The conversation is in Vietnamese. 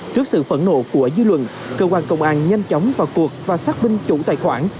trước sự phẫn nộ của dư luận cơ quan công an nhanh chóng vào cuộc và xác minh chủ tài khoản